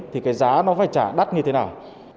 thì cái giá nó phải trả đắt như thế nào